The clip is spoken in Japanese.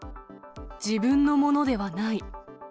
自分のものではない。